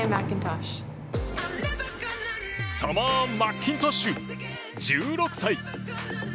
サマー・マッキントッシュ１６歳。